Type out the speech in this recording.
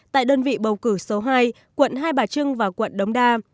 tại đơn vị bầu cử số hai quận hai bà trưng và quận đống đa